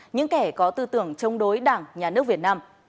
những kẻ có tư tưởng chống đối đảng nhà nước việt nam